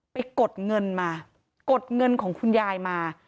กดเงินมากดเงินของคุณยายมา